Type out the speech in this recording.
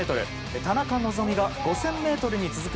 田中希実が５０００ｍに続く